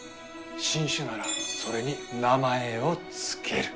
新種ならそれに名前を付ける。